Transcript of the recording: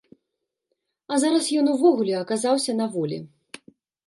А зараз ён увогуле аказаўся на волі.